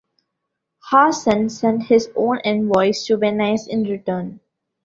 Hassan sent his own envoys to Venice in return.